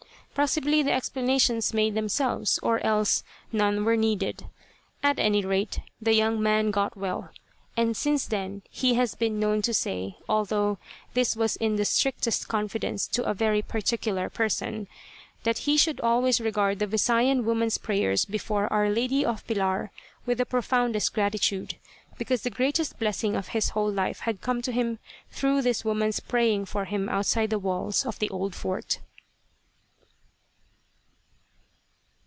Possibly the explanations made themselves, or else none were needed. At any rate, the young man got well, and since then he has been known to say although this was in the strictest confidence to a very particular person that he should always regard the Visayan woman's prayers before "Our Lady of Pilar" with the profoundest gratitude, because the greatest blessing of his whole life had come to him through this woman's praying for him outside the walls of the old fort.